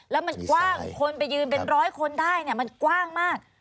แล้วมันกว้างคนไปยืนเป็นร้อยคนได้มันกว้างมาก